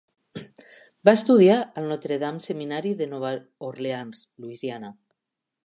Va estudiar al Notre Dame Seminary de Nova Orleans, Louisiana.